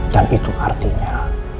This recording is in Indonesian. dan itu artinya